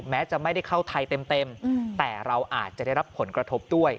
แม้จะไม่ได้เข้าไทยเต็มแต่เราอาจจะได้รับผลกระทบด้วย